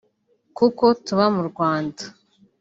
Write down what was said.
Kuko tuba mu Rwanda